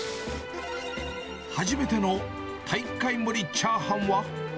初めての体育会盛りチャーハンは。